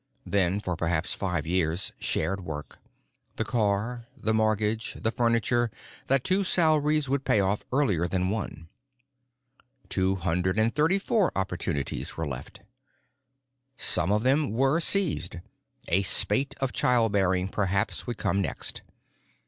Then, for perhaps five years, shared work; the car, the mortgage, the furniture, that two salaries would pay off earlier than one. Two hundred and thirty four opportunities were left. Some of them were seized: a spate of childbearing perhaps would come next.